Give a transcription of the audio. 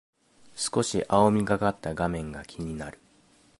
少し青みがかった画面が気になる